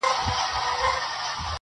هغه غوټه په غاښو ورڅخه پرې کړه٫